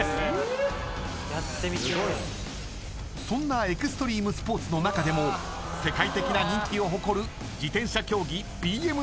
［そんなエクストリームスポーツの中でも世界的な人気を誇る自転車競技］